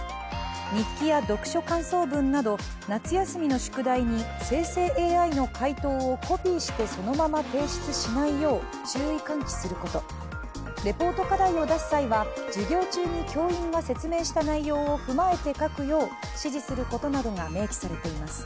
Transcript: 日記や読書感想文など夏休みの宿題に生成ＡＩの回答をコピーしてそのまま提出しないよう注意喚起することレポート課題を出す際は、授業中に教員が説明した内容を踏まえて書くよう指示することなどが明記されています。